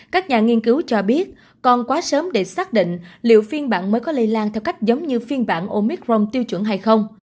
các nhà nghiên cứu cho biết còn quá sớm để xác định liệu phiên bản mới có lây lan theo cách giống như phiên bản omicron tiêu chuẩn hay không